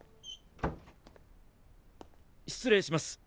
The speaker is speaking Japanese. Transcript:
失礼します。